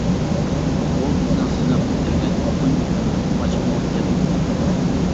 بۇ بىزنىڭ سىنىپقا كىرگەن تۇنجى كۈنۈڭ بولغاچقىمۇ گەپمۇ قىلمىدىڭ.